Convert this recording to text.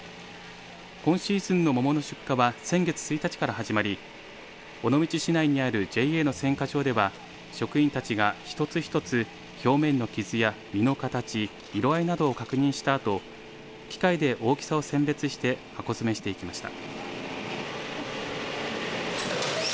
今シーズンの桃の出荷は先月１日から始まり尾道市内にあるＪＡの選果場では職員たちが一つ一つ表面の傷や実の形色合いなどを確認したあと機械で大きさを選別して箱詰めしていきました。